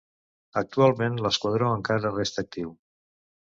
Actualment l'esquadró encara resta actiu.